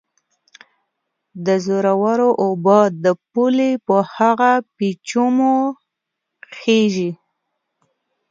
د زورورو اوبه د پولې په هغه پېچومي خېژي